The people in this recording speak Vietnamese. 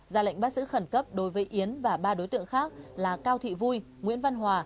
ra lệnh bắt giữ khẩn cấp đối với yến và ba đối tượng khác là cao thị vui nguyễn văn hòa